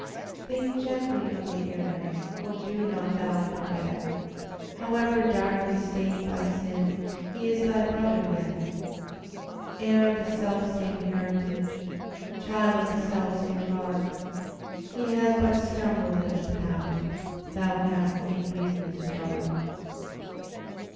Think gently of the erring: Oh! do not thou forget, However darkly stained by sin He is thy brother yet; Heir of the selfsame heritage, Child of the selfsame God, He has but stumbled in the path Thou hast in weakness trod.